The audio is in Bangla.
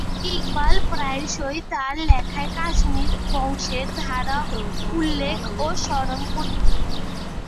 ইকবাল প্রায়শই তাঁর লেখায় কাশ্মীরি বংশের ধারা উল্লেখ ও স্মরণ করতেন।